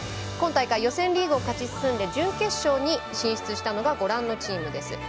今回予選リーグを勝ち進んで準決勝に進んだのがご覧のチームです。